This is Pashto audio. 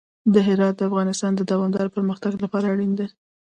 هرات د افغانستان د دوامداره پرمختګ لپاره اړین دي.